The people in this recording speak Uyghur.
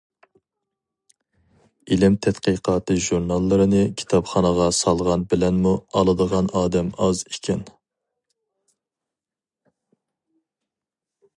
ئىلىم تەتقىقاتى ژۇرناللىرىنى كىتابخانىغا سالغان بىلەنمۇ ئالىدىغان ئادەم ئاز ئىكەن.